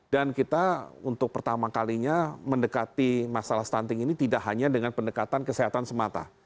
dan kita untuk pertama kalinya mendekati masalah stunting ini tidak hanya dengan pendekatan kesehatan semata